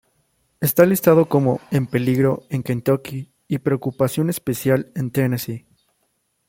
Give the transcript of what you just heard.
Está listado como "En peligro" en Kentucky y "Preocupación especial" en Tennessee.